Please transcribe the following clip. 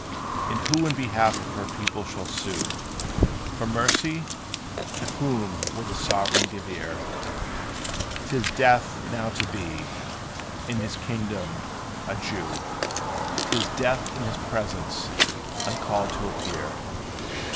And who in behalf of her people shall sue For mercy? To whom will the sovereign give ear? 'T is death now to be, in his kingdom, a Jew 'T is death in his presence uncalled to appear.